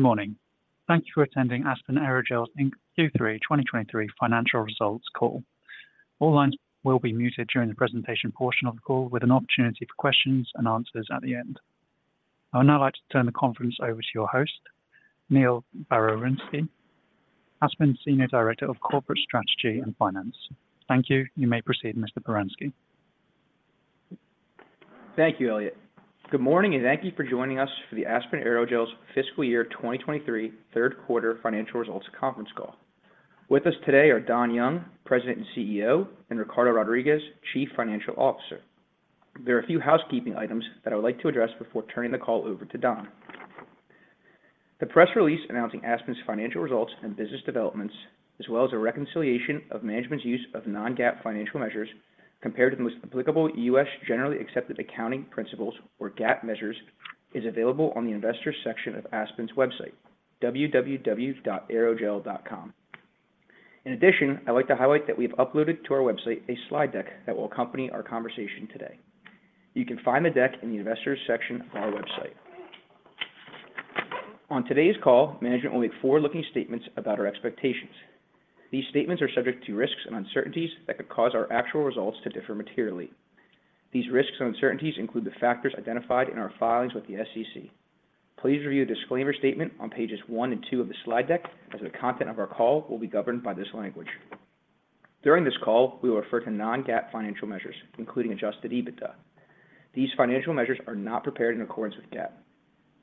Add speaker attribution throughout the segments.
Speaker 1: Good morning. Thank you for attending Aspen Aerogels Inc Q3 2023 financial results call. All lines will be muted during the presentation portion of the call, with an opportunity for questions and answers at the end. I would now like to turn the conference over to your host, Neal Baranosky, Aspen's Senior Director of Corporate Strategy and Finance. Thank you. You may proceed, Mr. Baranovsky.
Speaker 2: Thank you, Elliot. Good morning, and thank you for joining us for the Aspen Aerogels Fiscal Year 2023, third quarter financial results conference call. With us today are Don Young, President and CEO, and Ricardo Rodriguez, Chief Financial Officer. There are a few housekeeping items that I would like to address before turning the call over to Don. The press release announcing Aspen's financial results and business developments, as well as a reconciliation of management's use of non-GAAP financial measures compared to the most applicable U.S. generally accepted accounting principles, or GAAP measures, is available on the Investors section of Aspen's website, www.aerogel.com. In addition, I'd like to highlight that we've uploaded to our website a slide deck that will accompany our conversation today. You can find the deck in the Investors section of our website. On today's call, management will make forward-looking statements about our expectations. These statements are subject to risks and uncertainties that could cause our actual results to differ materially. These risks and uncertainties include the factors identified in our filings with the SEC. Please review the disclaimer statement on pages one and two of the slide deck, as the content of our call will be governed by this language. During this call, we will refer to non-GAAP financial measures, including Adjusted EBITDA. These financial measures are not prepared in accordance with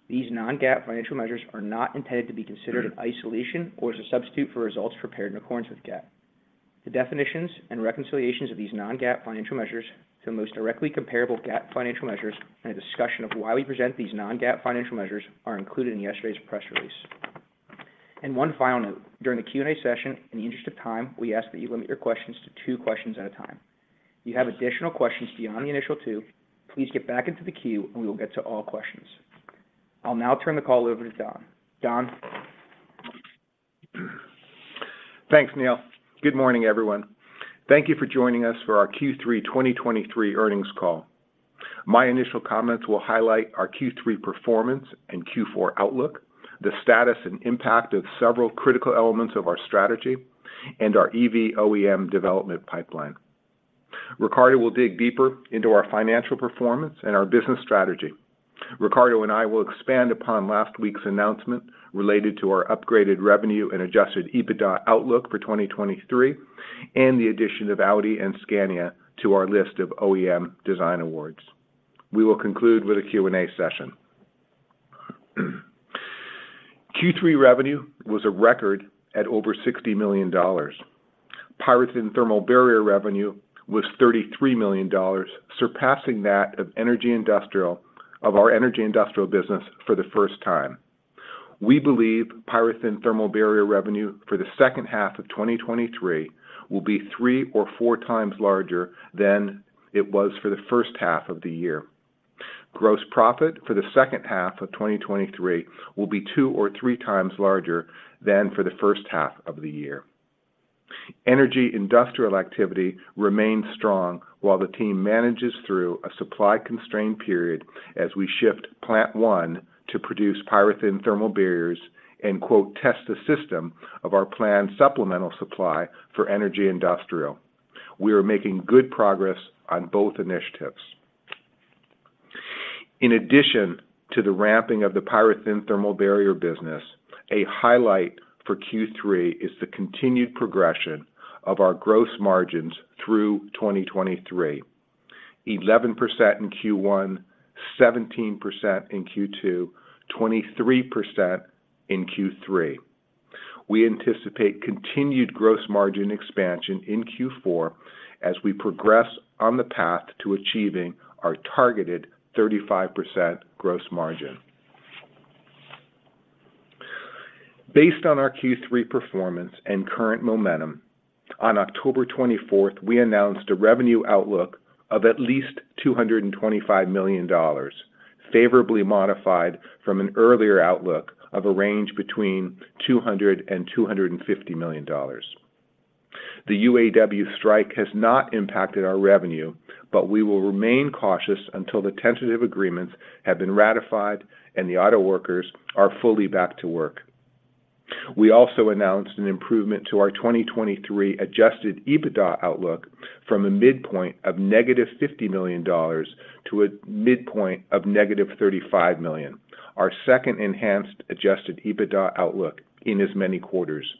Speaker 2: GAAP. These non-GAAP financial measures are not intended to be considered in isolation or as a substitute for results prepared in accordance with GAAP. The definitions and reconciliations of these non-GAAP financial measures to the most directly comparable GAAP financial measures and a discussion of why we present these non-GAAP financial measures are included in yesterday's press release. One final note, during the Q&A session, in the interest of time, we ask that you limit your questions to two questions at a time. If you have additional questions beyond the initial two, please get back into the queue and we will get to all questions. I'll now turn the call over to Don. Don?
Speaker 3: Thanks, Neil. Good morning, everyone. Thank you for joining us for our Q3 2023 earnings call. My initial comments will highlight our Q3 performance and Q4 outlook, the status and impact of several critical elements of our strategy, and our EV OEM development pipeline. Ricardo will dig deeper into our financial performance and our business strategy. Ricardo and I will expand upon last week's announcement related to our upgraded revenue and Adjusted EBITDA outlook for 2023, and the addition of Audi and Scania to our list of OEM design awards. We will conclude with a Q&A session. Q3 revenue was a record at over $60 PyroThin Thermal Barrier revenue was $33 million, surpassing that of Energy Industrial of our Energy Industrial business for the first time. We PyroThin Thermal Barrier revenue for the second half of 2023 will be three or four times larger than it was for the first half of the year. Gross profit for the second half of 2023 will be two or three times larger than for the first half of the year. Energy Industrial activity remains strong while the team manages through a supply constraint period as we shift Plant 1 to PyroThin Thermal Barriers and quote, "test the system of our planned supplemental supply for Energy Industrial." We are making good progress on both initiatives. In addition to the ramping of PyroThin Thermal Barrier business, a highlight for Q3 is the continued progression of our gross margins through 2023. 11% in Q1, 17% in Q2, 23% in Q3. We anticipate continued gross margin expansion in Q4 as we progress on the path to achieving our targeted 35% gross margin. Based on our Q3 performance and current momentum, on October 24, we announced a revenue outlook of at least $225 million, favorably modified from an earlier outlook of a range between $200 million and $250 million. The UAW strike has not impacted our revenue, but we will remain cautious until the tentative agreements have been ratified and the auto workers are fully back to work. We also announced an improvement to our 2023 Adjusted EBITDA outlook from a midpoint of -$50 million to a midpoint of -$35 million, our second enhanced Adjusted EBITDA outlook in as many quarters.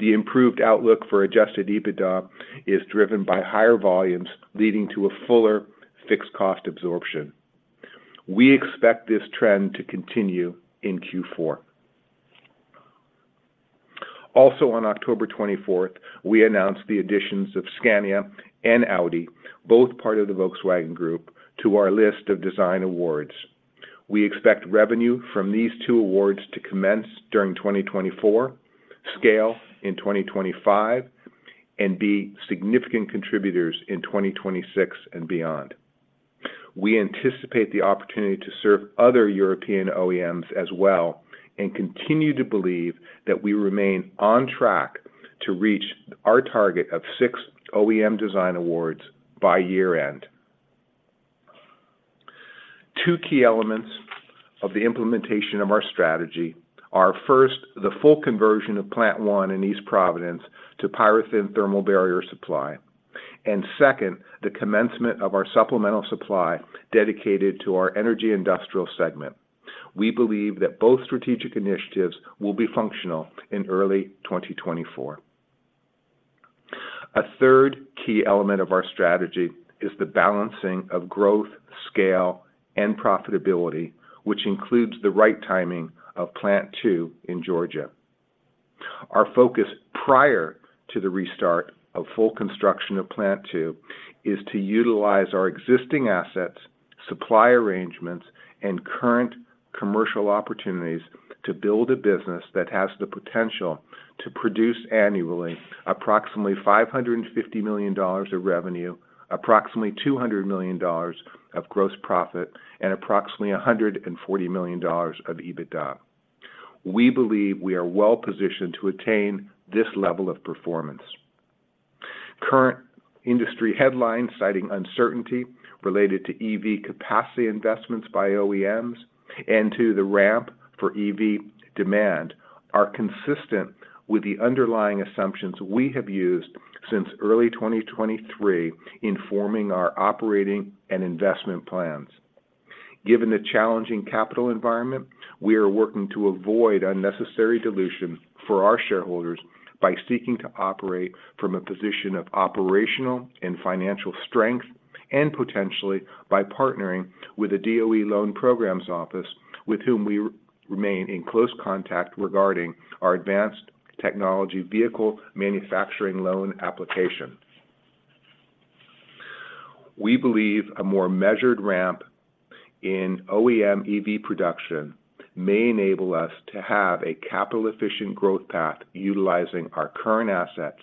Speaker 3: The improved outlook for Adjusted EBITDA is driven by higher volumes, leading to a fuller fixed cost absorption. We expect this trend to continue in Q4. Also, on October 24th, we announced the additions of Scania and Audi, both part of the Volkswagen Group, to our list of design awards. We expect revenue from these two awards to commence during 2024, scale in 2025, and be significant contributors in 2026 and beyond. We anticipate the opportunity to serve other European OEMs as well, and continue to believe that we remain on track to reach our target of six OEM design awards by year-end. Two key elements of the implementation of our strategy are, first, the full conversion of Plant 1 in East Providence to PyroThin Thermal Barrier supply, and second, the commencement of our supplemental supply dedicated to our Energy Industrial segment. We believe that both strategic initiatives will be functional in early 2024. A third key element of our strategy is the balancing of growth, scale, and profitability, which includes the right timing of Plant 2 in Georgia. Our focus prior to the restart of full construction of Plant 2 is to utilize our existing assets, supply arrangements, and current commercial opportunities to build a business that has the potential to produce annually approximately $550 million of revenue, approximately $200 million of gross profit, and approximately $140 million of EBITDA. We believe we are well-positioned to attain this level of performance. Current industry headlines, citing uncertainty related to EV capacity investments by OEMs and to the ramp for EV demand, are consistent with the underlying assumptions we have used since early 2023 in forming our operating and investment plans. Given the challenging capital environment, we are working to avoid unnecessary dilution for our shareholders by seeking to operate from a position of operational and financial strength, and potentially by partnering with the DOE Loan Programs Office, with whom we remain in close contact regarding our advanced technology vehicle manufacturing loan application. We believe a more measured ramp in OEM EV production may enable us to have a capital-efficient growth path utilizing our current assets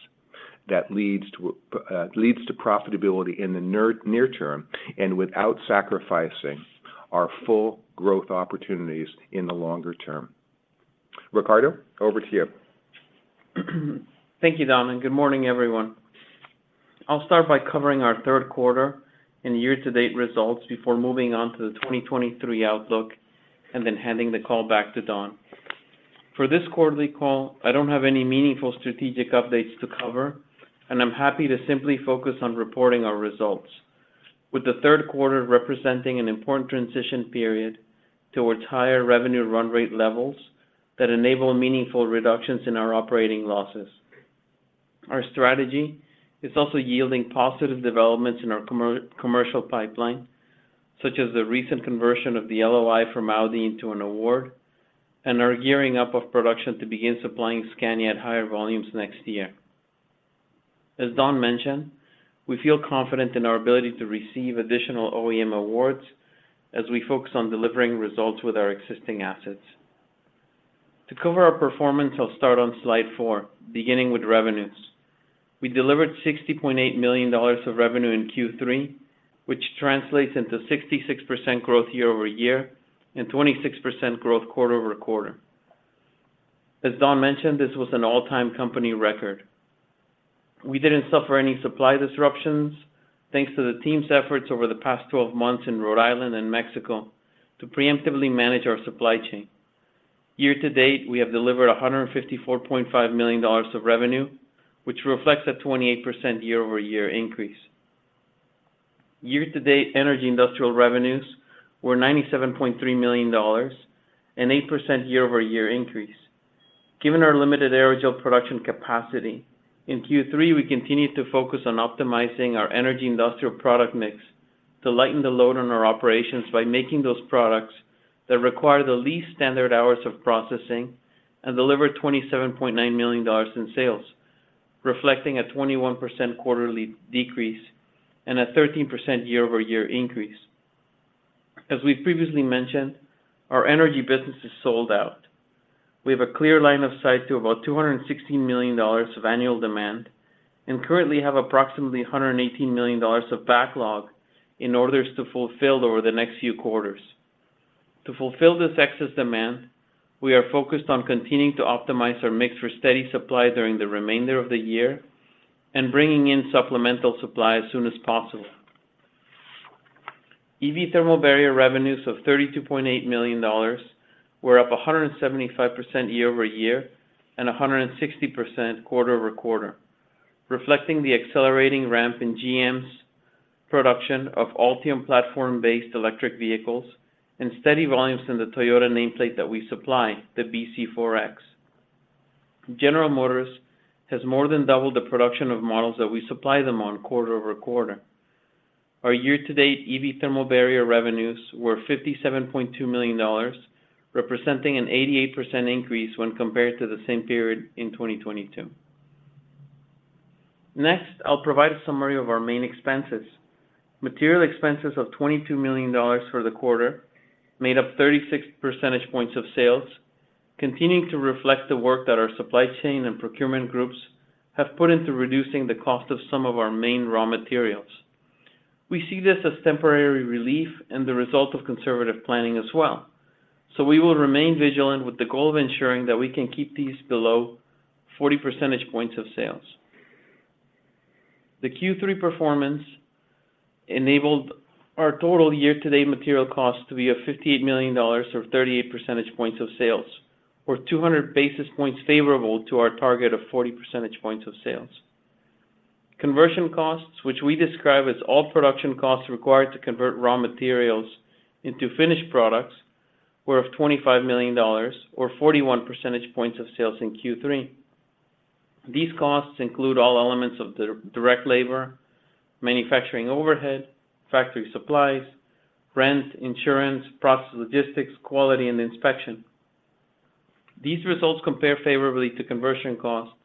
Speaker 3: that leads to profitability in the near term and without sacrificing our full growth opportunities in the longer term. Ricardo, over to you.
Speaker 4: Thank you, Don, and good morning, everyone. I'll start by covering our third quarter and year-to-date results before moving on to the 2023 outlook, and then handing the call back to Don. For this quarterly call, I don't have any meaningful strategic updates to cover, and I'm happy to simply focus on reporting our results, with the third quarter representing an important transition period towards higher revenue run rate levels that enable meaningful reductions in our operating losses. Our strategy is also yielding positive developments in our commercial pipeline, such as the recent conversion of the LOI from Audi into an award, and our gearing up of production to begin supplying Scania at higher volumes next year. As Don mentioned, we feel confident in our ability to receive additional OEM awards as we focus on delivering results with our existing assets. To cover our performance, I'll start on slide four, beginning with revenues. We delivered $60.8 million of revenue in Q3, which translates into 66% growth year-over-year and 26% growth quarter-over-quarter. As Don mentioned, this was an all-time company record. We didn't suffer any supply disruptions, thanks to the team's efforts over the past 12 months in Rhode Island and Mexico to preemptively manage our supply chain. Year-to-date, we have delivered $154.5 million of revenue, which reflects a 28% year-over-year increase. Year-to-date Energy Industrial revenues were $97.3 million, an 8% year-over-year increase. Given our limited aerogel production capacity, in Q3, we continued to focus on optimizing our Energy Industrial product mix to lighten the load on our operations by making those products that require the least standard hours of processing and deliver $27.9 million in sales, reflecting a 21% quarterly decrease and a 13% year-over-year increase. As we've previously mentioned, our energy business is sold out. We have a clear line of sight to about $216 million of annual demand and currently have approximately $118 million of backlog in orders to fulfill over the next few quarters. To fulfill this excess demand, we are focused on continuing to optimize our mix for steady supply during the remainder of the year and bringing in supplemental supply as soon as possible. EV Thermal Barrier revenues of $32.8 million were up 175% year-over-year and 160% quarter-over-quarter, reflecting the accelerating ramp in GM's production of Ultium platform-based electric vehicles and steady volumes in the Toyota nameplate that we supply, the bZ4X. General Motors has more than doubled the production of models that we supply them on quarter-over-quarter. Our year-to-date EV Thermal Barrier revenues were $57.2 million, representing an 88% increase when compared to the same period in 2022. Next, I'll provide a summary of our main expenses. Material expenses of $22 million for the quarter made up 36 percentage points of sales, continuing to reflect the work that our supply chain and procurement groups have put into reducing the cost of some of our main raw materials. We see this as temporary relief and the result of conservative planning as well, so we will remain vigilant with the goal of ensuring that we can keep these below 40 percentage points of sales. The Q3 performance enabled our total year-to-date material costs to be a $58 million, or 38 percentage points of sales, or 200 basis points favorable to our target of 40 percentage points of sales. Conversion costs, which we describe as all production costs required to convert raw materials into finished products, were $25 million, or 41 percentage points of sales in Q3. These costs include all elements of the direct labor, manufacturing overhead, factory supplies, rent, insurance, process logistics, quality, and inspection. These results compare favorably to conversion costs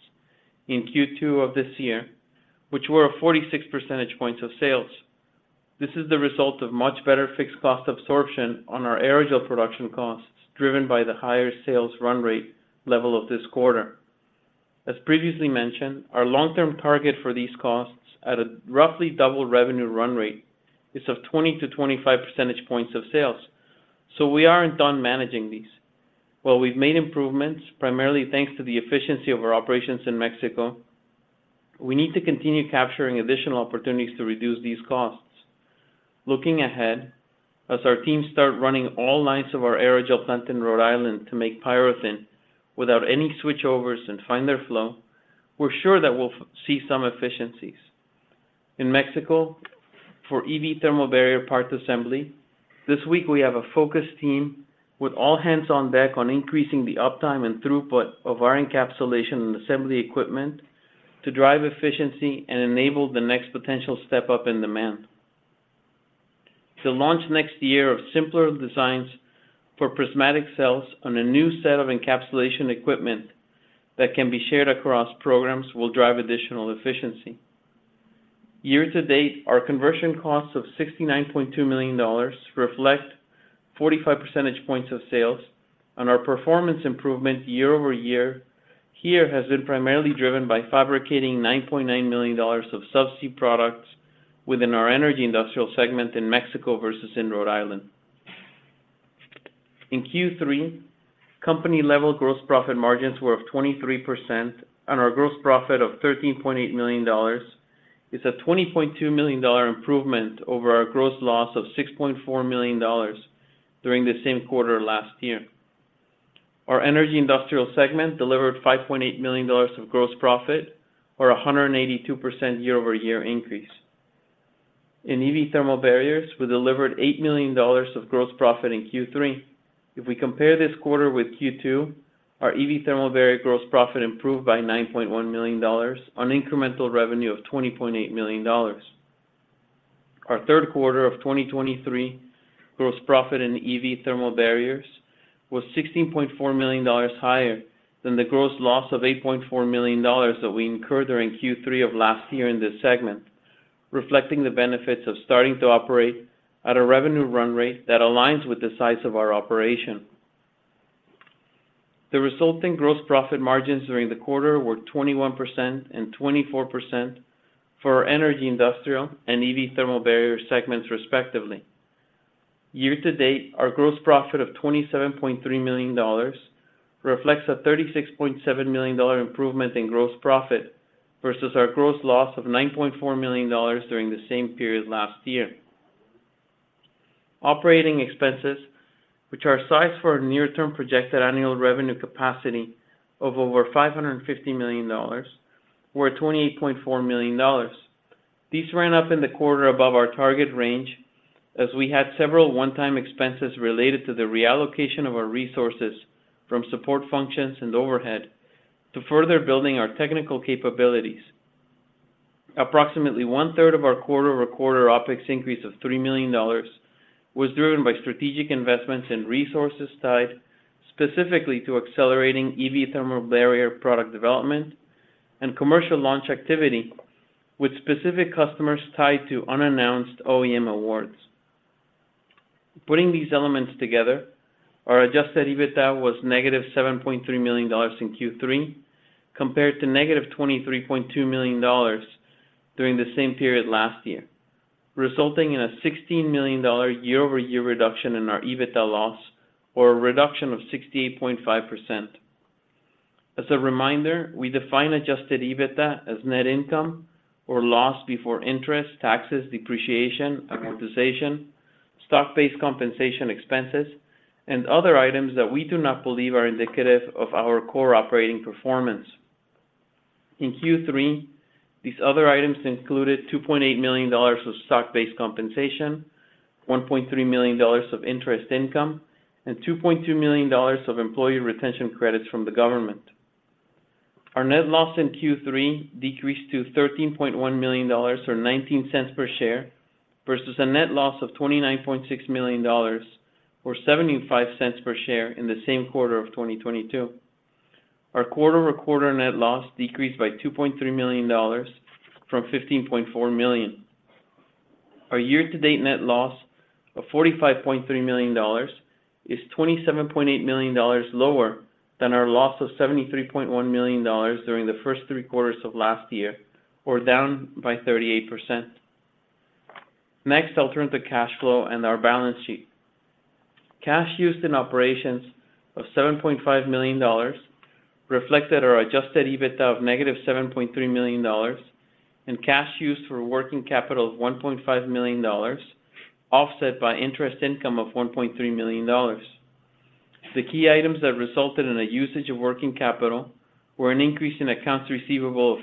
Speaker 4: in Q2 of this year, which were 46 percentage points of sales. This is the result of much better fixed cost absorption on our aerogel production costs, driven by the higher sales run rate level of this quarter. As previously mentioned, our long-term target for these costs at a roughly double revenue run rate is of 20-25 percentage points of sales, so we aren't done managing these. While we've made improvements, primarily thanks to the efficiency of our operations in Mexico, we need to continue capturing additional opportunities to reduce these costs. Looking ahead, as our teams start running all lines of our aerogel plant in Rhode Island to make PyroThin without any switchovers and find their flow, we're sure that we'll see some efficiencies. In Mexico, for EV Thermal Barrier parts assembly, this week, we have a focus team with all hands on deck on increasing the uptime and throughput of our encapsulation and assembly equipment to drive efficiency and enable the next potential step up in demand. The launch next year of simpler designs for prismatic cells on a new set of encapsulation equipment that can be shared across programs will drive additional efficiency. Year-to-date, our conversion costs of $69.2 million reflect 45 percentage points of sales, and our performance improvement year-over-year here has been primarily driven by fabricating $9.9 million of subsea products within our Energy Industrial segment in Mexico versus in Rhode Island. In Q3, company-level gross profit margins were of 23%, and our gross profit of $13.8 million is a $20.2 million improvement over our gross loss of $6.4 million during the same quarter last year. Our Energy Industrial segment delivered $5.8 million of gross profit, or a 182% year-over-year increase. In EV Thermal Barriers, we delivered $8 million of gross profit in Q3. If we compare this quarter with Q2, our EV Thermal Barrier gross profit improved by $9.1 million on incremental revenue of $20.8 million. Our third quarter of 2023 gross profit in EV Thermal Barriers was $16.4 million higher than the gross loss of $8.4 million that we incurred during Q3 of last year in this segment, reflecting the benefits of starting to operate at a revenue run rate that aligns with the size of our operation. The resulting gross profit margins during the quarter were 21% and 24% for our Energy Industrial, and EV Thermal Barrier segments, respectively. Year to date, our gross profit of $27.3 million reflects a $36.7 million improvement in gross profit versus our gross loss of $9.4 million during the same period last year. Operating expenses, which are sized for a near-term projected annual revenue capacity of over $550 million, were $28.4 million. These ran up in the quarter above our target range, as we had several one-time expenses related to the reallocation of our resources from support functions and overhead to further building our technical capabilities. Approximately 1/3 of our quarter-over-quarter OpEx increase of $3 million was driven by strategic investments in resources tied specifically to accelerating EV Thermal Barrier product development and commercial launch activity with specific customers tied to unannounced OEM awards. Putting these elements together, our Adjusted EBITDA was -$7.3 million in Q3, compared to -$23.2 million during the same period last year, resulting in a $16 million year-over-year reduction in our EBITDA loss, or a reduction of 68.5%. As a reminder, we define Adjusted EBITDA as net income or loss before interest, taxes, depreciation, amortization, stock-based compensation expenses, and other items that we do not believe are indicative of our core operating performance. In Q3, these other items included $2.8 million of stock-based compensation, $1.3 million of interest income, and $2.2 million of employee retention credits from the government. Our net loss in Q3 decreased to $13.1 million, or $0.19 per share, versus a net loss of $29.6 million, or $0.75 per share in the same quarter of 2022. Our quarter-over-quarter net loss decreased by $2.3 million from $15.4 million. Our year-to-date net loss of $45.3 million is $27.8 million lower than our loss of $73.1 million during the first three quarters of last year, or down by 38%. Next, I'll turn to cash flow and our balance sheet. Cash used in operations of $7.5 million reflected our Adjusted EBITDA of -$7.3 million, and cash used for working capital of $1.5 million, offset by interest income of $1.3 million. The key items that resulted in a usage of working capital were an increase in accounts receivable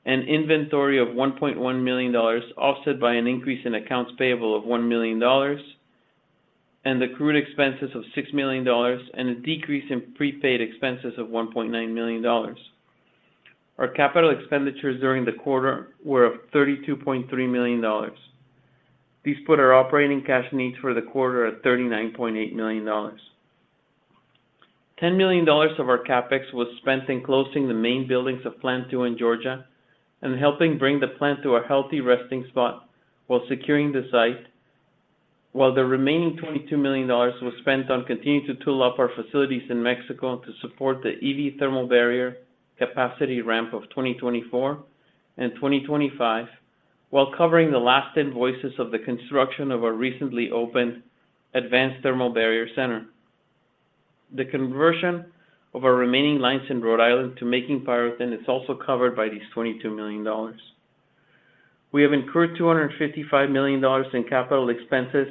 Speaker 4: of $10.2 million, and inventory of $1.1 million, offset by an increase in accounts payable of $1 million, and accrued expenses of $6 million, and a decrease in prepaid expenses of $1.9 million. Our capital expenditures during the quarter were $32.3 million. These put our operating cash needs for the quarter at $39.8 million. $10 million of our CapEx was spent in closing the main buildings of Plant 2 in Georgia and helping bring the plant to a healthy resting spot while securing the site, while the remaining $22 million was spent on continuing to tool up our facilities in Mexico to support the EV Thermal Barrier capacity ramp of 2024 and 2025, while covering the last invoices of the construction of our recently opened Advanced Thermal Barrier Center. The conversion of our remaining lines in Rhode Island to making PyroThin is also covered by these $22 million. We have incurred $255 million in capital expenses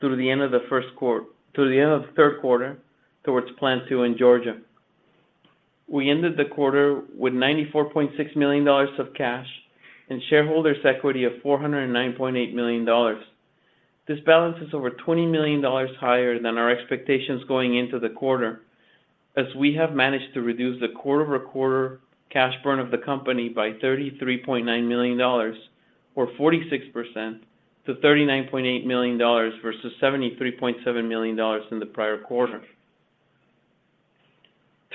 Speaker 4: through the end of the first quarter- through the end of the third quarter, towards Plant 2 in Georgia. We ended the quarter with $94.6 million of cash and shareholders' equity of $409.8 million. This balance is over $20 million higher than our expectations going into the quarter, as we have managed to reduce the quarter-over-quarter cash burn of the company by $33.9 million or 46% to $39.8 million versus $73.7 million in the prior quarter.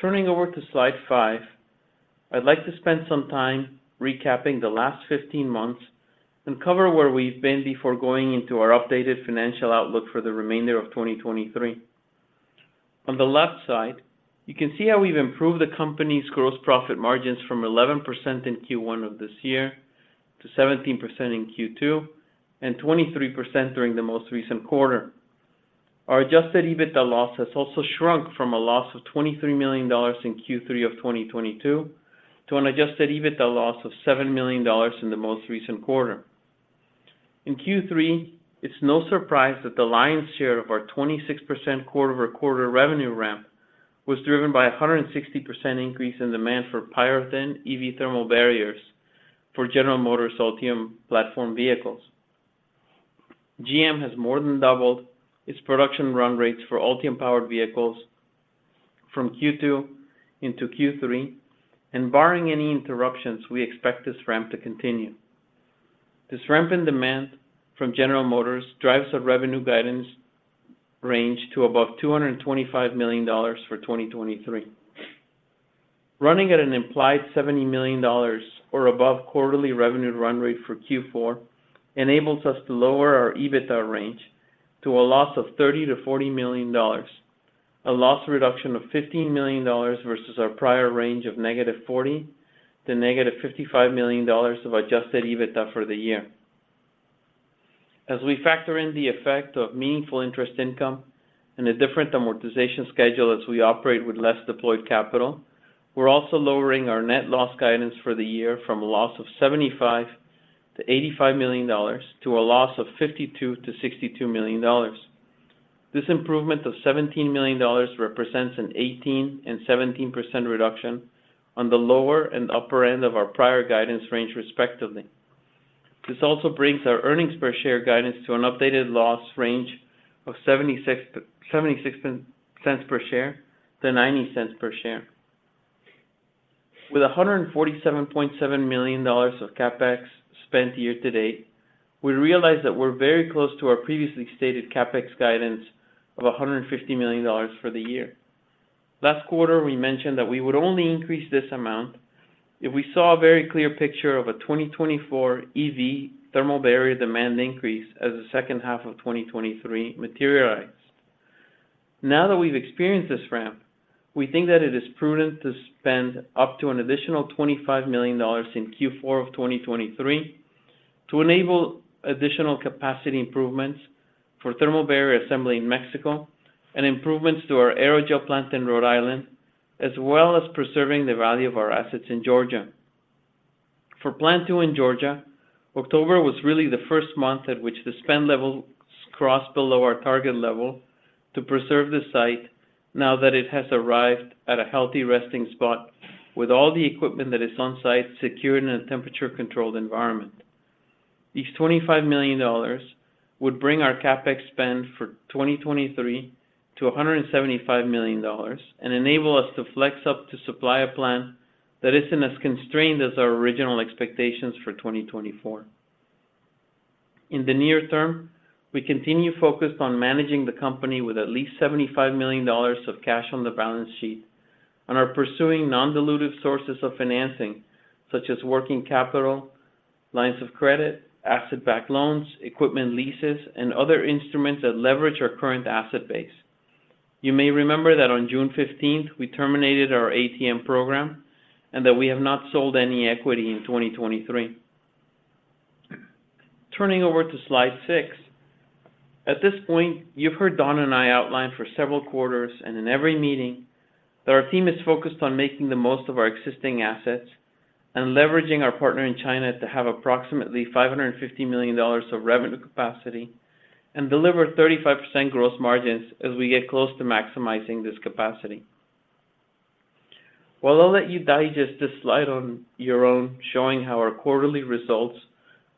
Speaker 4: Turning over to slide five, I'd like to spend some time recapping the last 15 months and cover where we've been before going into our updated financial outlook for the remainder of 2023. On the left side, you can see how we've improved the company's gross profit margins from 11% in Q1 of this year to 17% in Q2, and 23% during the most recent quarter. Our Adjusted EBITDA loss has also shrunk from a loss of $23 million in Q3 of 2022 to an Adjusted EBITDA loss of $7 million in the most recent quarter. In Q3, it's no surprise that the lion's share of our 26% quarter-over-quarter revenue ramp was driven by a 160% increase in demand for PyroThin EV Thermal Barriers for General Motors Ultium platform vehicles. GM has more than doubled its production run rates for Ultium-powered vehicles from Q2 into Q3, and barring any interruptions, we expect this ramp to continue. This ramp in demand from General Motors drives our revenue guidance range to above $225 million for 2023. Running at an implied $70 million or above quarterly revenue run rate for Q4 enables us to lower our EBITDA range to a loss of $30 million-$40 million, a loss reduction of $15 million versus our prior range of -$40 million to -$55 million of Adjusted EBITDA for the year. As we factor in the effect of meaningful interest income and a different amortization schedule as we operate with less deployed capital, we're also lowering our net loss guidance for the year from a loss of $75 million-$85 million to a loss of $52 million-$62 million. This improvement of $17 million represents an 18% and 17% reduction on the lower and upper end of our prior guidance range, respectively. This also brings our earnings per share guidance to an updated loss range of $0.76 per share to $0.90 per share. With $147.7 million of CapEx spent year to date, we realize that we're very close to our previously stated CapEx guidance of $150 million for the year. Last quarter, we mentioned that we would only increase this amount if we saw a very clear picture of a 2024 EV Thermal Barrier demand increase as the second half of 2023 materialized. Now that we've experienced this ramp, we think that it is prudent to spend up to an additional $25 million in Q4 of 2023 to enable additional capacity improvements for Thermal Barrier assembly in Mexico and improvements to our aerogel plant in Rhode Island, as well as preserving the value of our assets in Georgia. For Plant 2 in Georgia, October was really the first month at which the spend levels crossed below our target level to preserve the site now that it has arrived at a healthy resting spot, with all the equipment that is on-site, secured in a temperature-controlled environment. These $25 million would bring our CapEx spend for 2023 to $175 million and enable us to flex up to supply a plan that isn't as constrained as our original expectations for 2024. In the near term, we continue focused on managing the company with at least $75 million of cash on the balance sheet and are pursuing non-dilutive sources of financing, such as working capital, lines of credit, asset-backed loans, equipment leases, and other instruments that leverage our current asset base. You may remember that on June 15th, we terminated our ATM program and that we have not sold any equity in 2023. Turning over to slide six. At this point, you've heard Don and I outline for several quarters, and in every meeting, that our team is focused on making the most of our existing assets and leveraging our partner in China to have approximately $550 million of revenue capacity and deliver 35% gross margins as we get close to maximizing this capacity. While I'll let you digest this slide on your own, showing how our quarterly results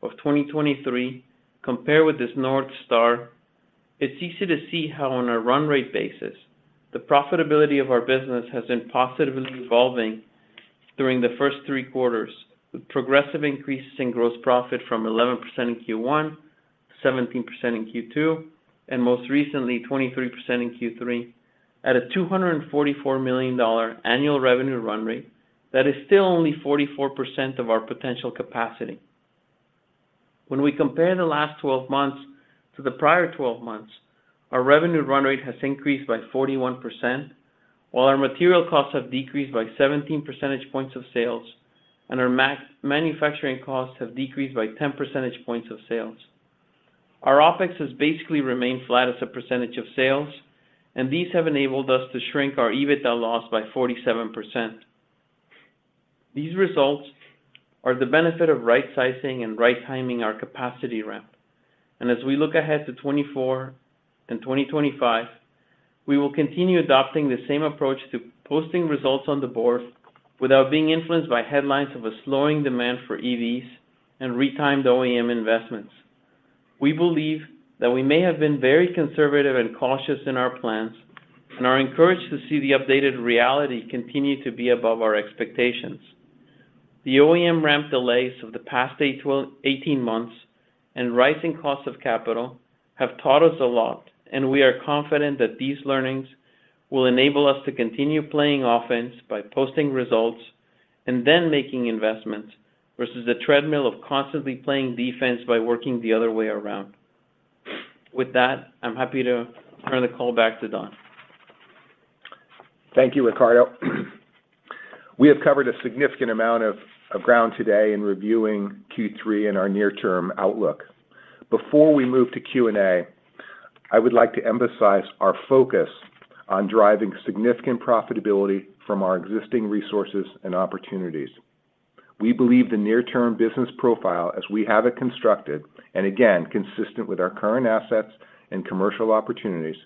Speaker 4: of 2023 compare with this North Star, it's easy to see how on a run rate basis, the profitability of our business has been positively evolving during the first three quarters, with progressive increases in gross profit from 11% in Q1 to 17% in Q2, and most recently, 23% in Q3, at a $244 million annual revenue run rate that is still only 44% of our potential capacity. When we compare the last 12 months to the prior 12 months, our revenue run rate has increased by 41%, while our material costs have decreased by 17 percentage points of sales, and our manufacturing costs have decreased by 10 percentage points of sales. Our OpEx has basically remained flat as a percentage of sales, and these have enabled us to shrink our EBITDA loss by 47%. These results are the benefit of right-sizing and right-timing our capacity ramp. As we look ahead to 2024 and 2025, we will continue adopting the same approach to posting results on the board without being influenced by headlines of a slowing demand for EVs and retimed OEM investments. We believe that we may have been very conservative and cautious in our plans and are encouraged to see the updated reality continue to be above our expectations. The OEM ramp delays of the past 18 months and rising costs of capital have taught us a lot, and we are confident that these learnings will enable us to continue playing offense by posting results and then making investments, versus the treadmill of constantly playing defense by working the other way around. With that, I'm happy to turn the call back to Don.
Speaker 3: Thank you, Ricardo. We have covered a significant amount of ground today in reviewing Q3 and our near-term outlook. Before we move to Q&A, I would like to emphasize our focus on driving significant profitability from our existing resources and opportunities. We believe the near-term business profile, as we have it constructed, and again, consistent with our current assets and commercial opportunities,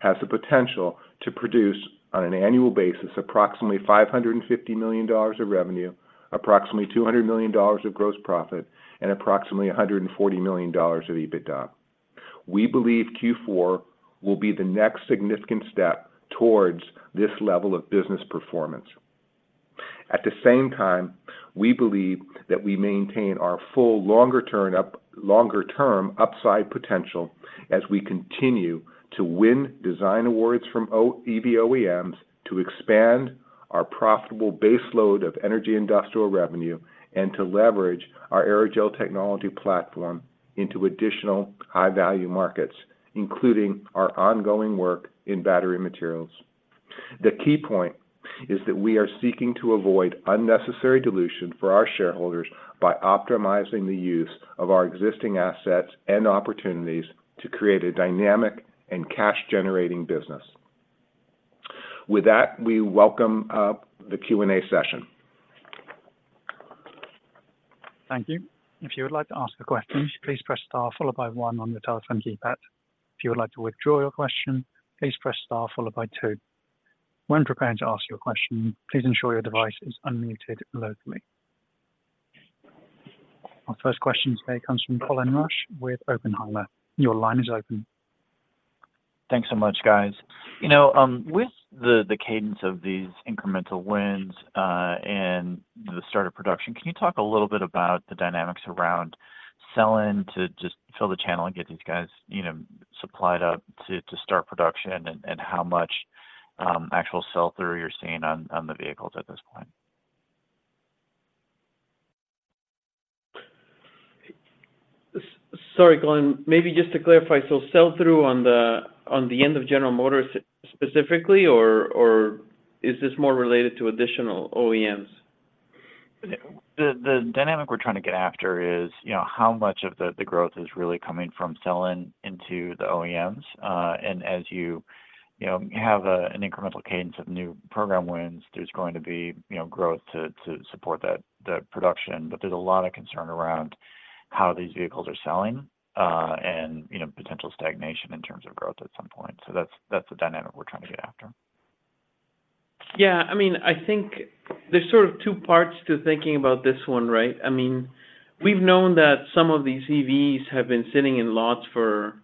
Speaker 3: has the potential to produce, on an annual basis, approximately $550 million of revenue, approximately $200 million of gross profit, and approximately $140 million of EBITDA. We believe Q4 will be the next significant step towards this level of business performance. At the same time, we believe that we maintain our full, longer-term upside potential as we continue to win design awards from EV OEMs, to expand our profitable baseload of Energy Industrial revenue, and to leverage our aerogel technology platform into additional high-value markets, including our ongoing work in battery materials. The key point is that we are seeking to avoid unnecessary dilution for our shareholders by optimizing the use of our existing assets and opportunities to create a dynamic and cash-generating business. With that, we welcome the Q&A session.
Speaker 1: Thank you. If you would like to ask a question, please press star followed by one on your telephone keypad. If you would like to withdraw your question, please press star followed by two. When prepared to ask your question, please ensure your device is unmuted locally. Our first question today comes from Colin Rusch with Oppenheimer. Your line is open.
Speaker 5: Thanks so much, guys. You know, with the cadence of these incremental wins, and the start of production, can you talk a little bit about the dynamics around selling to just fill the channel and get these guys, you know, supplied up to start production, and how much actual sell-through you're seeing on the vehicles at this point?
Speaker 4: Sorry, Colin. Maybe just to clarify, so sell-through on the end of General Motors specifically, or is this more related to additional OEMs?
Speaker 5: The dynamic we're trying to get after is, you know, how much of the growth is really coming from selling into the OEMs. And as you, you know, have an incremental cadence of new program wins, there's going to be, you know, growth to support that production. But there's a lot of concern around how these vehicles are selling, and, you know, potential stagnation in terms of growth at some point. So that's the dynamic we're trying to get after.
Speaker 4: Yeah, I mean, I think there's sort of two parts to thinking about this one, right? I mean, we've known that some of these EVs have been sitting in lots for,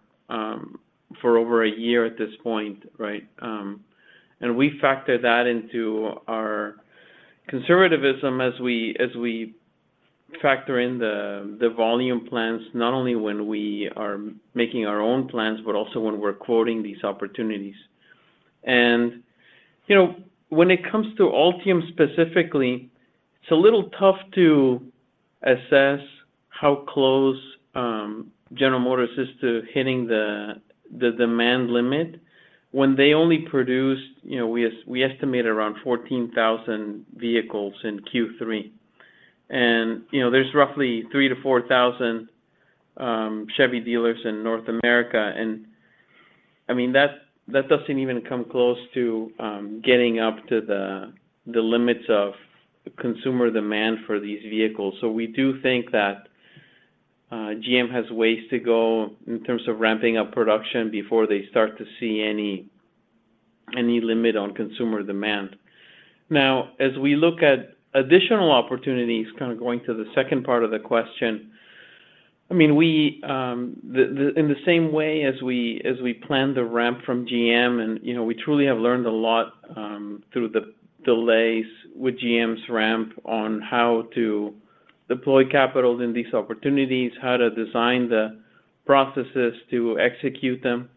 Speaker 4: for over a year at this point, right? And we factor that into our conservatism as we factor in the volume plans, not only when we are making our own plans, but also when we're quoting these opportunities. You know, when it comes to Ultium specifically, it's a little tough to assess how close General Motors is to hitting the demand limit when they only produce, you know, we estimate around 14,000 vehicles in Q3. And, you know, there's roughly 3,000-4,000 Chevy dealers in North America. I mean, that doesn't even come close to getting up to the limits of consumer demand for these vehicles. So we do think that GM has ways to go in terms of ramping up production before they start to see any limit on consumer demand. Now, as we look at additional opportunities, kind of going to the second part of the question, I mean, we in the same way as we plan the ramp from GM, and you know, we truly have learned a lot through the delays with GM's ramp on how to deploy capital in these opportunities, how to design the processes to execute them.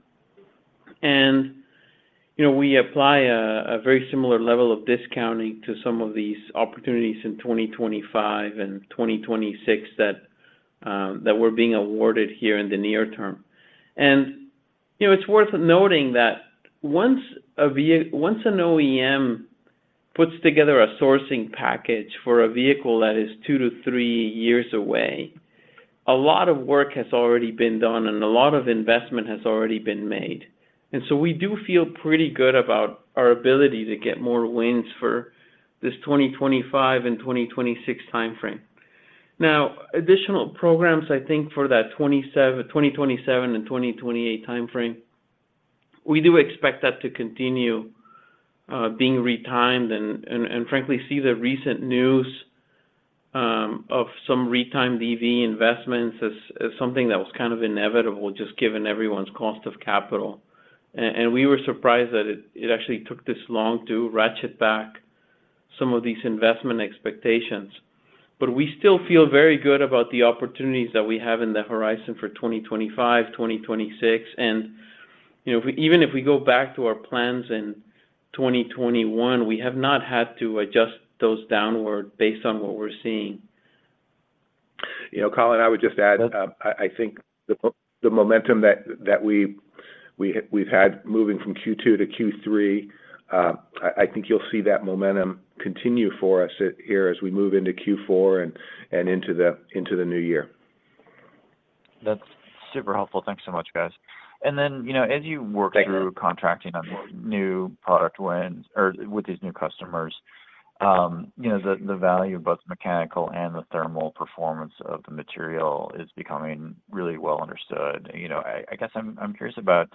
Speaker 4: You know, we apply a very similar level of discounting to some of these opportunities in 2025 and 2026 that we're being awarded here in the near term. You know, it's worth noting that once an OEM puts together a sourcing package for a vehicle that is 2-3 years away, a lot of work has already been done, and a lot of investment has already been made. So we do feel pretty good about our ability to get more wins for this 2025 and 2026 time frame. Now, additional programs, I think for that 2027 and 2028 time frame, we do expect that to continue, being retimed and frankly, see the recent news of some retimed EV investments as something that was kind of inevitable, just given everyone's cost of capital. And we were surprised that it actually took this long to ratchet back some of these investment expectations. But we still feel very good about the opportunities that we have in the horizon for 2025, 2026. And, you know, even if we go back to our plans in 2021, we have not had to adjust those downward based on what we're seeing.
Speaker 3: You know, Colin, I would just add, I think the momentum that we’ve had moving from Q2 to Q3, I think you’ll see that momentum continue for us here as we move into Q4 and into the new year.
Speaker 5: That's super helpful. Thanks so much, guys. And then, you know, as you work-
Speaker 3: Thank you...
Speaker 5: through contracting on new product wins or with these new customers, you know, the value of both the mechanical and the thermal performance of the material is becoming really well understood. You know, I guess I'm curious about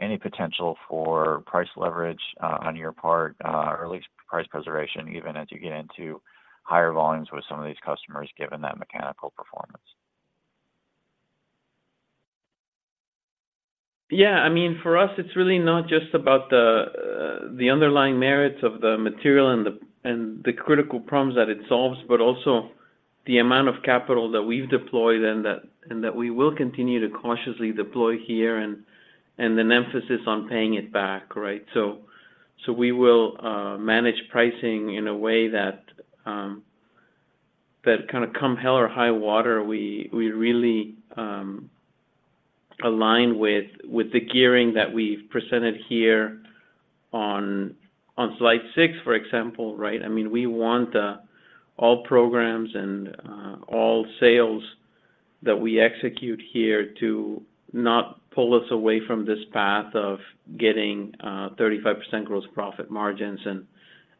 Speaker 5: any potential for price leverage on your part or at least price preservation, even as you get into higher volumes with some of these customers, given that mechanical performance.
Speaker 4: Yeah, I mean, for us, it's really not just about the underlying merits of the material and the critical problems that it solves, but also the amount of capital that we've deployed and that we will continue to cautiously deploy here, and an emphasis on paying it back, right? So we will manage pricing in a way that kind of come hell or high water, we really align with the gearing that we've presented here on slide six, for example, right? I mean, we want all programs and all sales that we execute here to not pull us away from this path of getting 35% gross profit margins, and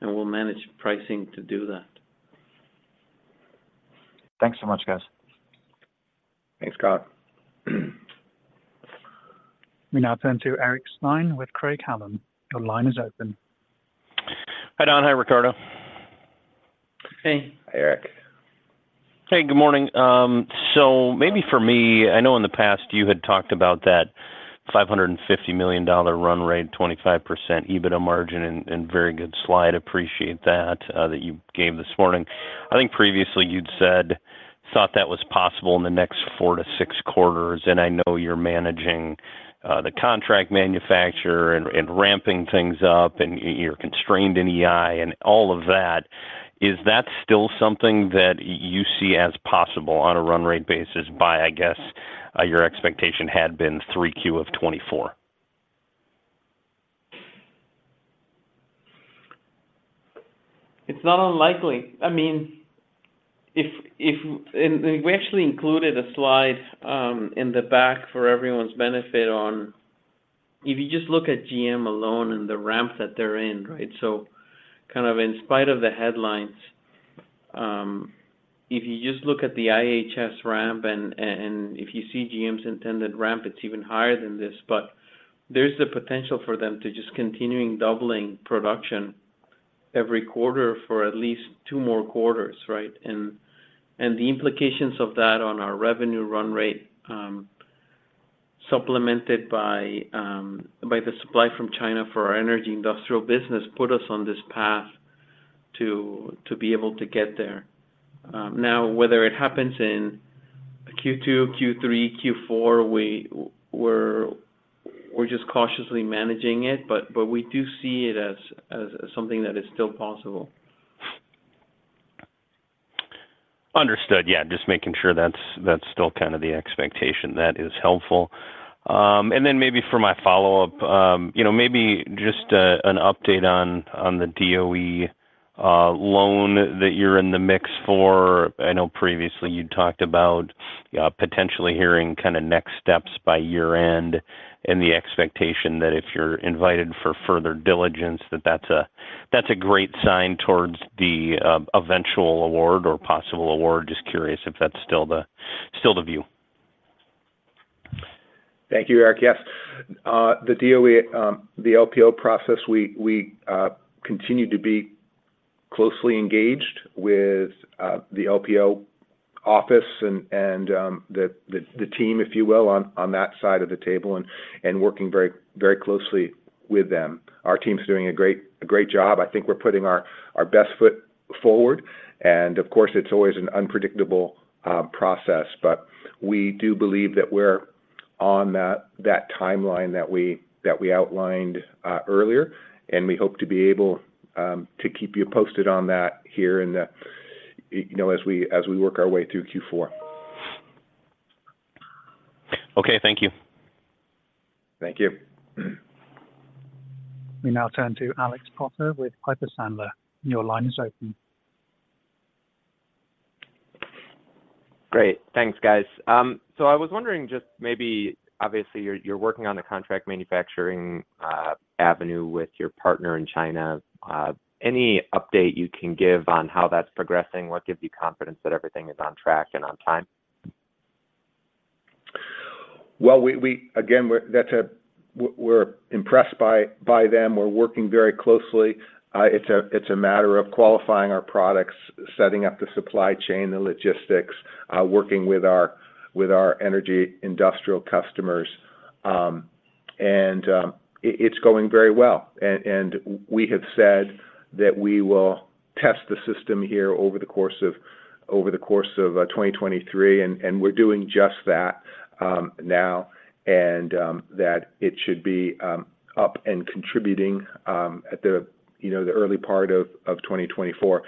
Speaker 4: we'll manage pricing to do that.
Speaker 5: Thanks so much, guys.
Speaker 3: Thanks, Colin.
Speaker 1: We now turn to Eric Stine with Craig-Hallum. Your line is open.
Speaker 6: Hi, Don. Hi, Ricardo.
Speaker 4: Hey.
Speaker 3: Hi, Eric.
Speaker 6: Hey, good morning. So maybe for me, I know in the past you had talked about that $550 million run rate, 25% EBITDA margin, and very good slide. Appreciate that, that you gave this morning. I think previously you'd said thought that was possible in the next four to six quarters, and I know you're managing the contract manufacturer and ramping things up, and you're constrained in EI and all of that. Is that still something that you see as possible on a run rate basis by, I guess, your expectation had been 3Q of 2024?
Speaker 4: It's not unlikely. I mean, if and we actually included a slide in the back for everyone's benefit on, if you just look at GM alone and the ramp that they're in, right? So kind of in spite of the headlines, if you just look at the IHS ramp and if you see GM's intended ramp, it's even higher than this. But there's the potential for them to just continuing doubling production every quarter for at least two more quarters, right? And the implications of that on our revenue run rate, supplemented by the supply from China for our Energy Industrial business, put us on this path to be able to get there. Now, whether it happens in Q2, Q3, Q4, we're just cautiously managing it, but we do see it as something that is still possible.
Speaker 6: Understood. Yeah, just making sure that's, that's still kind of the expectation. That is helpful. And then maybe for my follow-up, you know, maybe just a, an update on, on the DOE loan that you're in the mix for. I know previously you talked about potentially hearing kinda next steps by year-end, and the expectation that if you're invited for further diligence, that's a, that's a great sign towards the eventual award or possible award. Just curious if that's still the view.
Speaker 3: Thank you, Eric. Yes, the DOE, the LPO process, we continue to be closely engaged with the LPO office and the team, if you will, on that side of the table and working very, very closely with them. Our team's doing a great job. I think we're putting our best foot forward, and of course, it's always an unpredictable process, but we do believe that we're on that timeline that we outlined earlier, and we hope to be able to keep you posted on that here in the, you know, as we work our way through Q4.
Speaker 6: Okay. Thank you.
Speaker 3: Thank you.
Speaker 1: We now turn to Alex Potter with Piper Sandler. Your line is open.
Speaker 7: Great. Thanks, guys. So I was wondering, just maybe, obviously, you're working on the contract manufacturing avenue with your partner in China. Any update you can give on how that's progressing? What gives you confidence that everything is on track and on time?
Speaker 3: Well, we're impressed by them. We're working very closely. It's a matter of qualifying our products, setting up the supply chain, the logistics, working with our Energy Industrial customers. It's going very well. We have said that we will test the system here over the course of 2023, and we're doing just that now, and that it should be up and contributing at the early part of 2024.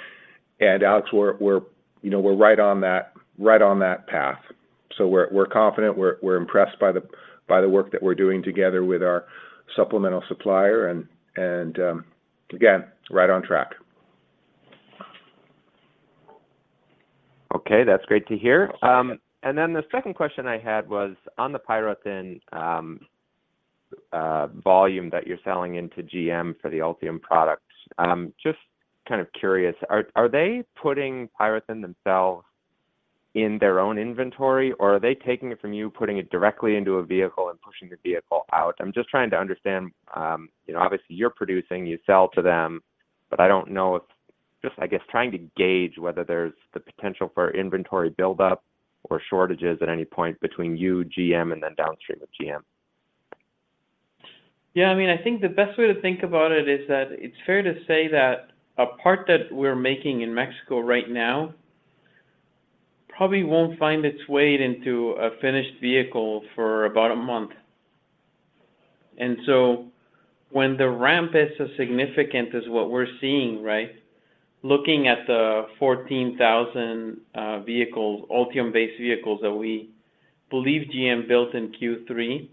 Speaker 3: Alex, we're right on that path. We're confident. We're impressed by the work that we're doing together with our supplemental supplier, and again, right on track.
Speaker 7: Okay, that's great to hear. And then the second question I had was on the PyroThin volume that you're selling into GM for the Ultium product. Just kind of curious, are they putting PyroThin themselves in their own inventory, or are they taking it from you, putting it directly into a vehicle, and pushing the vehicle out? I'm just trying to understand, you know, obviously, you're producing, you sell to them, but I don't know if just, I guess, trying to gauge whether there's the potential for inventory buildup or shortages at any point between you, GM, and then downstream of GM.
Speaker 4: Yeah, I mean, I think the best way to think about it is that it's fair to say that a part that we're making in Mexico right now probably won't find its way into a finished vehicle for about a month. And so when the ramp is as significant as what we're seeing, right? Looking at the 14,000 vehicles, Ultium-based vehicles, that we believe GM built in Q3,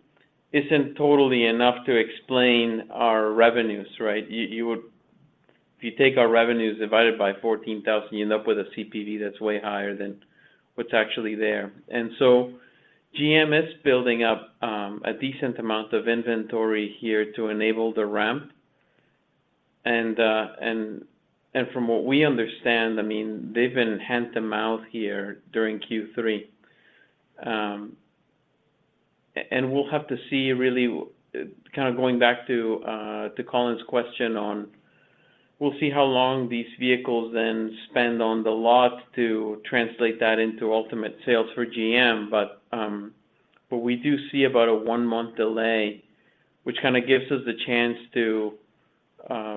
Speaker 4: isn't totally enough to explain our revenues, right? You, you would-- if you take our revenues divided by 14,000, you end up with a CPV that's way higher than what's actually there. And so GM is building up a decent amount of inventory here to enable the ramp. And from what we understand, I mean, they've been hand-to-mouth here during Q3. And we'll have to see, really, kind of going back to, to Colin's question on... We'll see how long these vehicles then spend on the lot to translate that into ultimate sales for GM. But, but we do see about a one-month delay, which kinda gives us the chance to,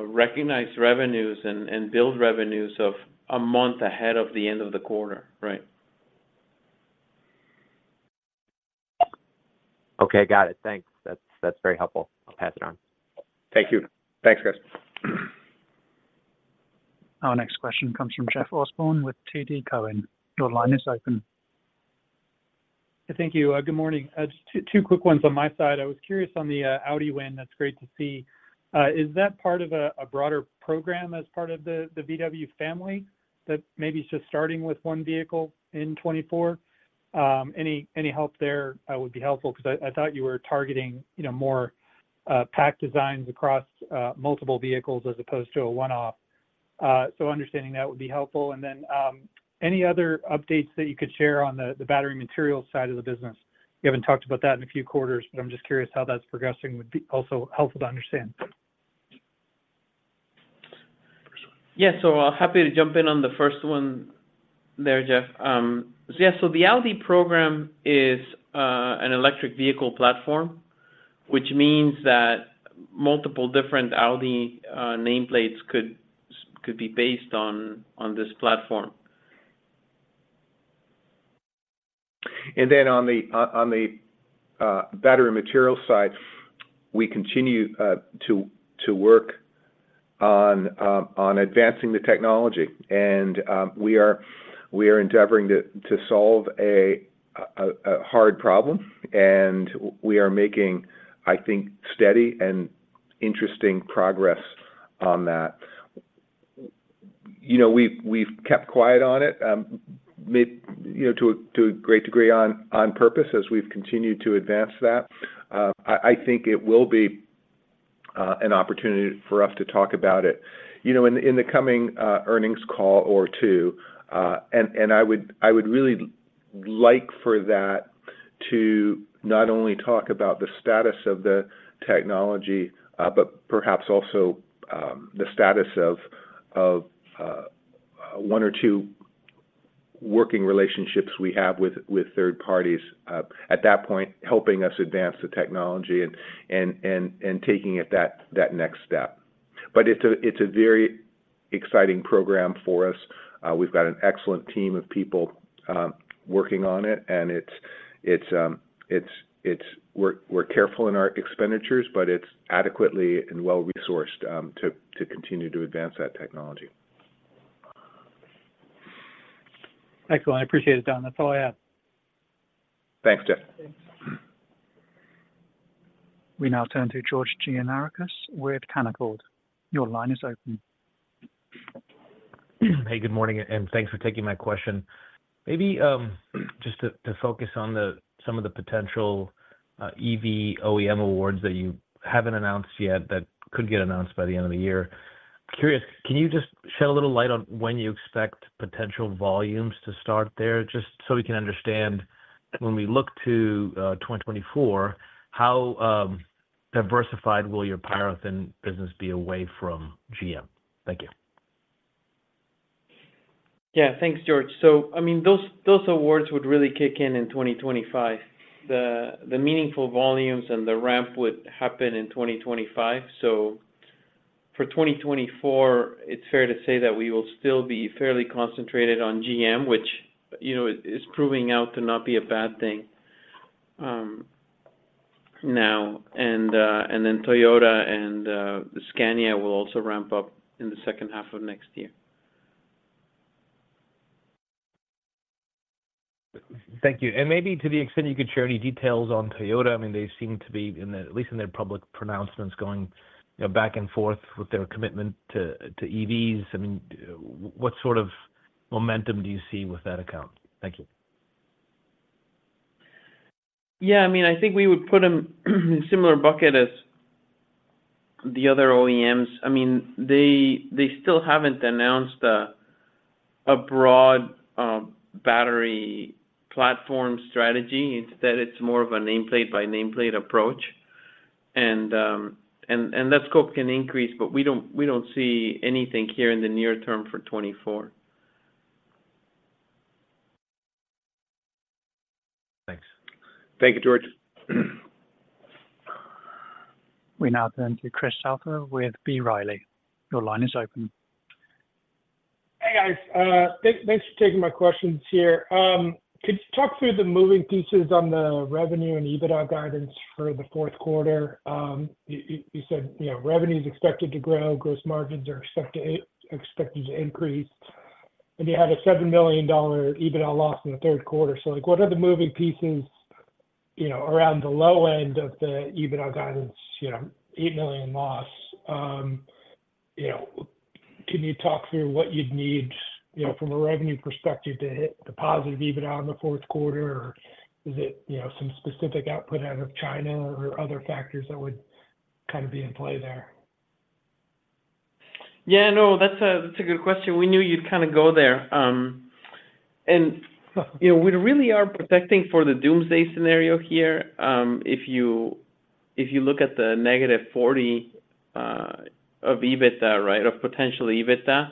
Speaker 4: recognize revenues and, and build revenues of a month ahead of the end of the quarter, right?
Speaker 7: Okay, got it. Thanks. That's, that's very helpful. I'll pass it on.
Speaker 3: Thank you.
Speaker 7: Thanks, guys.
Speaker 1: Our next question comes from Jeff Osborne with TD Cowen. Your line is open.
Speaker 8: Thank you. Good morning. Just two quick ones on my side. I was curious on the Audi win. That's great to see. Is that part of a broader program as part of the VW family, that maybe it's just starting with one vehicle in 2024? Any help there would be helpful because I thought you were targeting, you know, more pack designs across multiple vehicles as opposed to a one-off. So understanding that would be helpful. And then, any other updates that you could share on the battery material side of the business? You haven't talked about that in a few quarters, but I'm just curious how that's progressing, would be also helpful to understand.
Speaker 4: Yeah. So I'm happy to jump in on the first one there, Jeff. So yeah, so the Audi program is an electric vehicle platform, which means that multiple different Audi nameplates could be based on this platform.
Speaker 3: And then on the battery material side, we continue to work on advancing the technology. And we are endeavoring to solve a hard problem, and we are making, I think, steady and interesting progress on that. You know, we've kept quiet on it, you know, to a great degree, on purpose as we've continued to advance that. I think it will be an opportunity for us to talk about it, you know, in the coming earnings call or two. And I would really like for that to not only talk about the status of the technology, but perhaps also the status of one or two working relationships we have with third parties at that point, helping us advance the technology and taking it that next step. But it's a very exciting program for us. We've got an excellent team of people working on it, and we're careful in our expenditures, but it's adequately and well resourced to continue to advance that technology.
Speaker 8: Excellent. I appreciate it, Don. That's all I have.
Speaker 3: Thanks, Jeff.
Speaker 1: We now turn to George Gianarikas with Canaccord. Your line is open.
Speaker 9: Hey, good morning, and thanks for taking my question. Maybe, just to focus on some of the potential EV OEM awards that you haven't announced yet that could get announced by the end of the year. Curious, can you just shed a little light on when you expect potential volumes to start there, just so we can understand when we look to 2024, how diversified will your PyroThin business be away from GM? Thank you.
Speaker 4: Yeah, thanks, George. So, I mean, those awards would really kick in in 2025. The meaningful volumes and the ramp would happen in 2025. So for 2024, it's fair to say that we will still be fairly concentrated on GM, which, you know, is proving out to not be a bad thing, now. And then Toyota and Scania will also ramp up in the second half of next year.
Speaker 9: Thank you. And maybe to the extent you could share any details on Toyota, I mean, they seem to be, in the, at least in their public pronouncements, going, you know, back and forth with their commitment to EVs. I mean, what sort of momentum do you see with that account? Thank you.
Speaker 4: Yeah, I mean, I think we would put them in a similar bucket as the other OEMs. I mean, they still haven't announced a broad battery platform strategy. Instead, it's more of a nameplate by nameplate approach. And that scope can increase, but we don't see anything here in the near term for 2024.
Speaker 9: Thanks.
Speaker 3: Thank you, George.
Speaker 1: We now turn to Chris Souther with B. Riley. Your line is open.
Speaker 10: Hey, guys. Thanks for taking my questions here. Could you talk through the moving pieces on the revenue and EBITDA guidance for the fourth quarter? You said, you know, revenue is expected to grow, gross margins are expected to increase, and you had a $7 million EBITDA loss in the third quarter. So, like, what are the moving pieces, you know, around the low end of the EBITDA guidance, you know, $8 million loss? You know, can you talk through what you'd need, you know, from a revenue perspective to hit the positive EBITDA in the fourth quarter, or is it, you know, some specific output out of China or other factors that would kind of be in play there?
Speaker 4: Yeah, no, that's a good question. We knew you'd kind of go there, and, you know, we really are protecting for the doomsday scenario here. If you look at the -$40 million of EBITDA, right, of potential EBITDA,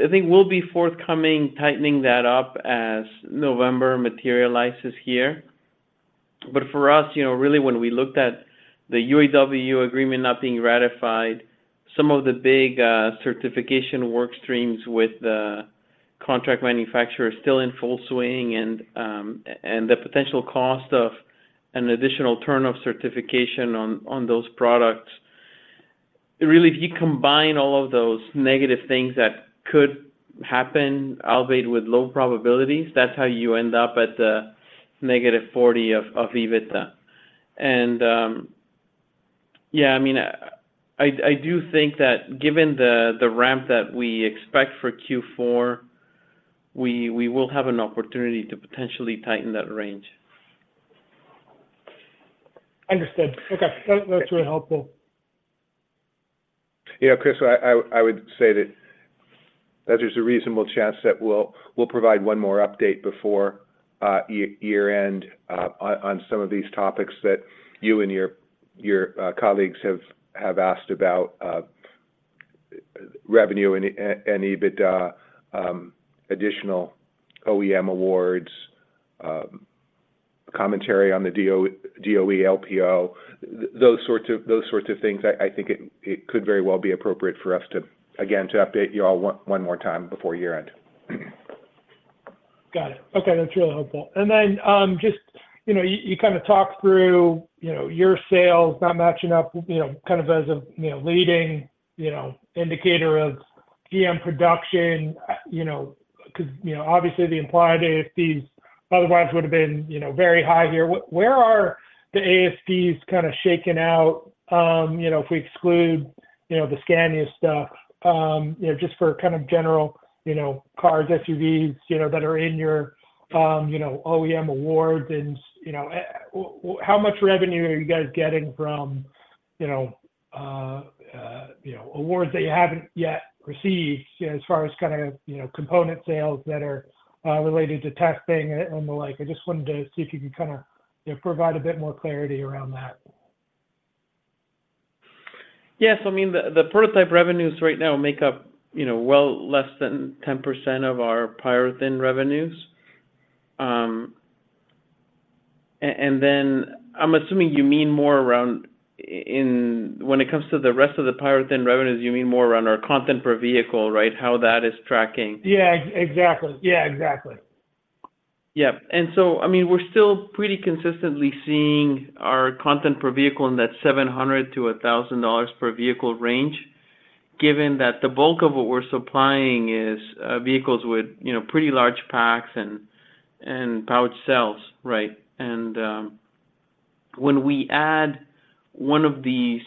Speaker 4: I think we'll be forthcoming, tightening that up as November materializes here. But for us, you know, really, when we looked at the UAW agreement not being ratified, some of the big certification work streams with the contract manufacturer are still in full swing, and the potential cost of an additional turn-off certification on those products. Really, if you combine all of those negative things that could happen, albeit with low probabilities, that's how you end up at the -$40 million of EBITDA. Yeah, I mean, I do think that given the ramp that we expect for Q4, we will have an opportunity to potentially tighten that range.
Speaker 10: Understood. Okay. That, that's really helpful.
Speaker 3: Yeah, Chris, I would say that there's a reasonable chance that we'll provide one more update before year-end on some of these topics that you and your colleagues have asked about, revenue and EBITDA, additional OEM awards, commentary on the DOE LPO, those sorts of things. I think it could very well be appropriate for us to again update you all one more time before year-end.
Speaker 10: Got it. Okay, that's really helpful. And then, just, you know, you kinda talked through, you know, your sales not matching up, you know, kind of as a leading indicator of GM production. You know, 'cause, you know, obviously, the implied ASPs otherwise would've been, you know, very high here. Where are the ASPs kinda shaking out, you know, if we exclude, you know, the Scania stuff, you know, just for kind of general, you know, cars, SUVs, you know, that are in your OEM awards? And, you know, how much revenue are you guys getting from, you know, awards that you haven't yet received, you know, as far as kinda, you know, component sales that are related to testing and the like? I just wanted to see if you could kinda, you know, provide a bit more clarity around that.
Speaker 4: Yeah, so I mean, the prototype revenues right now make up, you know, well less than 10% of our PyroThin revenues. And then I'm assuming you mean more around in when it comes to the rest of the PyroThin revenues, you mean more around our content per vehicle, right? How that is tracking.
Speaker 10: Yeah, exactly. Yeah, exactly.
Speaker 4: Yeah. And so, I mean, we're still pretty consistently seeing our content per vehicle in that $700-$1,000 per vehicle range, given that the bulk of what we're supplying is vehicles with, you know, pretty large packs and pouch cells, right? And when we add one of these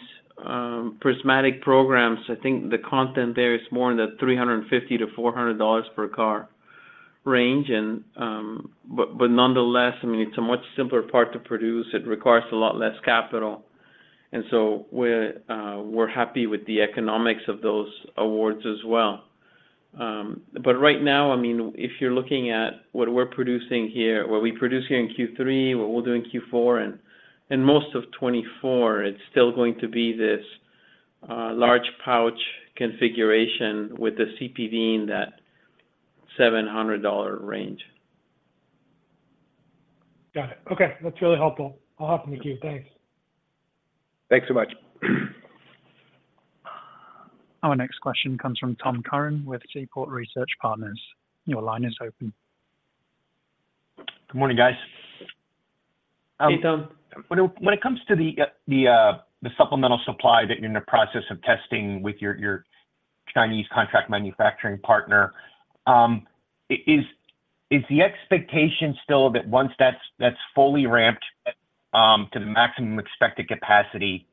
Speaker 4: prismatic programs, I think the content there is more in the $350-$400 per car range. But nonetheless, I mean, it's a much simpler part to produce. It requires a lot less capital, and so we're happy with the economics of those awards as well. But right now, I mean, if you're looking at what we're producing here, what we produce here in Q3, what we'll do in Q4, and most of 2024, it's still going to be this large pouch configuration with the CPV in that $700 range.
Speaker 10: Got it. Okay, that's really helpful. I'll hop in the queue. Thanks.
Speaker 3: Thanks so much.
Speaker 1: Our next question comes from Tom Curran with Seaport Research Partners. Your line is open.
Speaker 11: Good morning, guys.
Speaker 3: Hey, Tom.
Speaker 11: When it comes to the supplemental supply that you're in the process of testing with your Chinese contract manufacturing partner, is the expectation still that once that's fully ramped to the maximum expected capacity,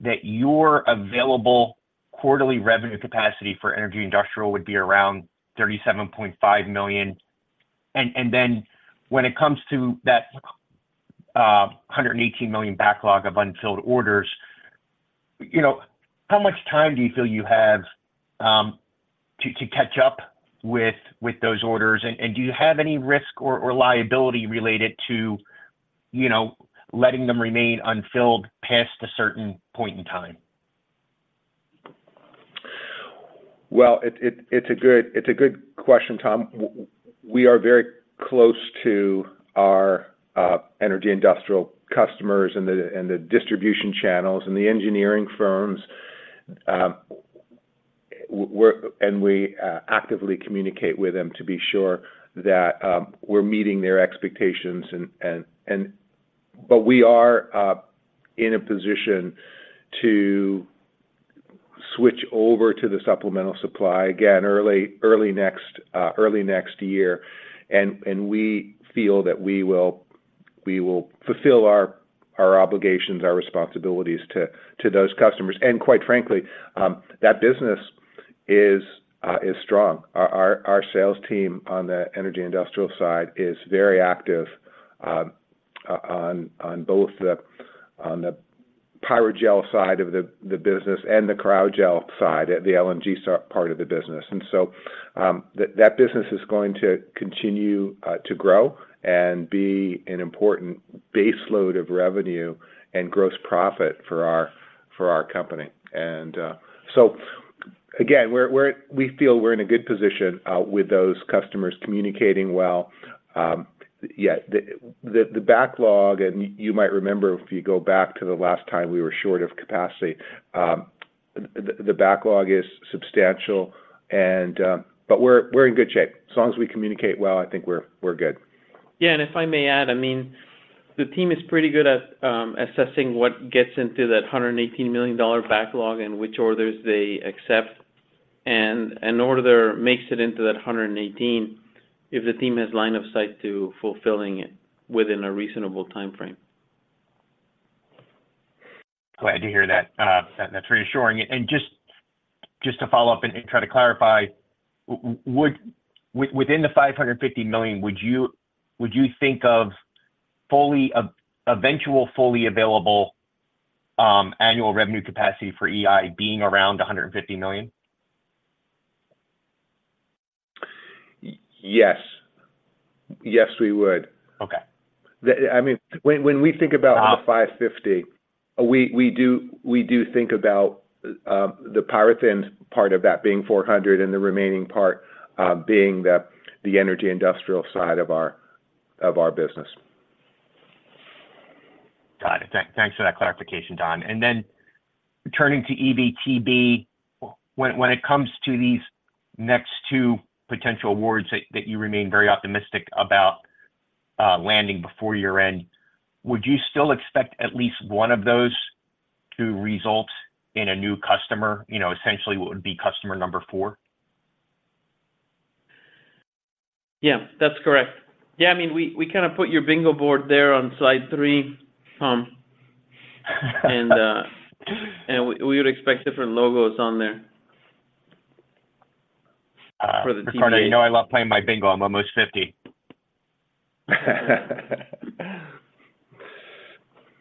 Speaker 11: that your available quarterly revenue capacity for Energy Industrial would be around $37.5 million? And then when it comes to that $118 million backlog of unfilled orders, you know, how much time do you feel you have to catch up with those orders? And do you have any risk or liability related to, you know, letting them remain unfilled past a certain point in time?
Speaker 3: Well, it's a good question, Tom. We are very close to our Energy Industrial customers and the distribution channels, and the engineering firms. And we actively communicate with them to be sure that we're meeting their expectations. But we are in a position to switch over to the supplemental supply again early next year. And we feel that we will fulfill our obligations, our responsibilities to those customers. And quite frankly, that business is strong. Our sales team on the Energy Industrial side is very active on both the Pyrogel side of the business and the Cryogel side, the LNG side part of the business. That business is going to continue to grow and be an important baseload of revenue and gross profit for our company. So again, we feel we're in a good position with those customers, communicating well. Yeah, the backlog, and you might remember if you go back to the last time we were short of capacity, the backlog is substantial and, we're in good shape. As long as we communicate well, I think we're good.
Speaker 4: Yeah, and if I may add, I mean, the team is pretty good at assessing what gets into that $118 million backlog and which orders they accept. An order makes it into that $118 million if the team has line of sight to fulfilling it within a reasonable timeframe.
Speaker 11: Glad to hear that. That's reassuring. And just, just to follow up and, and try to clarify, would within the $550 million, would you, would you think of fully eventual fully available annual revenue capacity for EI being around $150 million?
Speaker 3: Yes. Yes, we would.
Speaker 11: Okay.
Speaker 3: I mean, when we think about-
Speaker 11: Uh the $550 million,
Speaker 3: we do think about the PyroThin part of that being $400 million, and the remaining part being the Energy Industrial side of our business.
Speaker 11: Got it. Thanks for that clarification, Don. And then turning to EVTB, when it comes to these next two potential awards that you remain very optimistic about landing before year-end, would you still expect at least one of those to result in a new customer? You know, essentially what would be customer number four?
Speaker 4: Yeah, that's correct. Yeah, I mean, we kinda put your bingo board there on slide three, and we would expect different logos on there, for the-
Speaker 11: Ricardo, you know I love playing my bingo. I'm almost 50.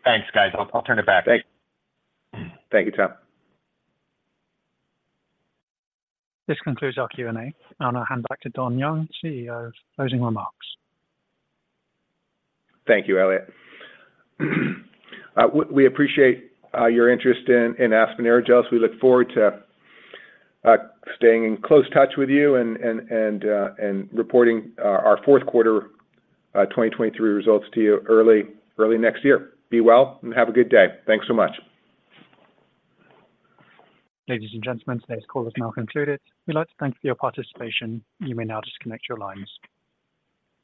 Speaker 11: Thanks, guys. I'll, I'll turn it back.
Speaker 3: Thanks. Thank you, Tom.
Speaker 1: This concludes our Q&A. I'll now hand back to Don Young, CEO, for closing remarks.
Speaker 3: Thank you, Elliot. We appreciate your interest in Aspen Aerogels. We look forward to staying in close touch with you and reporting our fourth quarter 2023 results to you early next year. Be well, and have a good day. Thanks so much.
Speaker 1: Ladies and gentlemen, today's call is now concluded. We'd like to thank you for your participation. You may now disconnect your lines.